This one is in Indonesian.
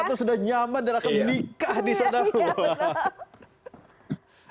atau sudah nyaman dan akan nikah di sana